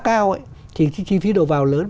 cao ấy thì chi phí đầu vào lớn